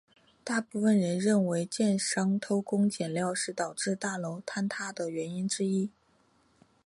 大部分的人认为建商偷工减料是导致大楼坍塌原因之一。